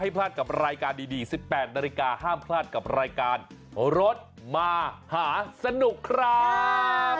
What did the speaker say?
ปี๑๘นาฬิกาห้ามพลาดกับรายการรถมาหาสนุกครับ